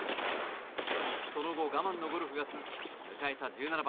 その後、我慢のゴルフが続き迎えた１７番。